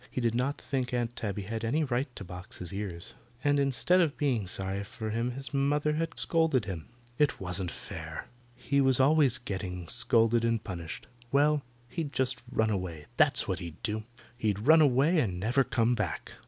He did not think Aunt Tabby had any right to box his ears. And instead of being sorry for him his mother had scolded him. It wasn't fair. He was always getting scolded and punished. Well, he'd just run away. That's what he'd do. He'd run away and never come back.